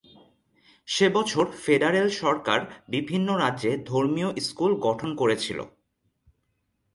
সে বছর ফেডারেল সরকার বিভিন্ন রাজ্যে ধর্মীয় স্কুল গঠন করেছিল।